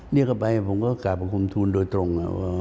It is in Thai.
เรียกเข้าไปผมก็กลับมาคุมทุนโดยตรง